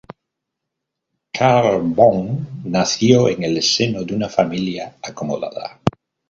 Karl Böhm nació en el seno de una familia acomodada.